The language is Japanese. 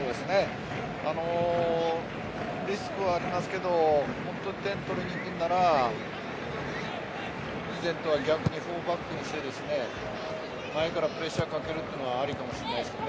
リスクはありますけど点を取りにいくなら４バックにして前からプレッシャーかけるのはありかもしれないですね。